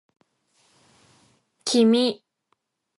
君